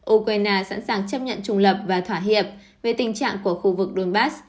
ukraine sẵn sàng chấp nhận trùng lập và thỏa hiệp về tình trạng của khu vực donbass